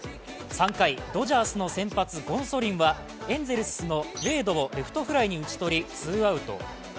３回、ドジャースの先発ゴンソリンはエンゼルスのウェードをレフトフライに打ち取りツーアウト。